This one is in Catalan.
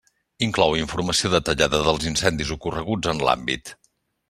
Inclou informació detallada dels incendis ocorreguts en l'àmbit.